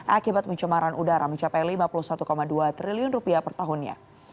akibat pencemaran udara mencapai lima puluh satu dua triliun rupiah per tahunnya